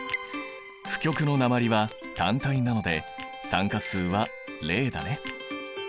負極の鉛は単体なので酸化数は０だね。